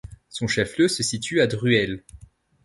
Son chef-lieu se situe à Druelle.